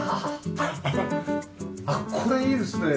あっこれいいですね。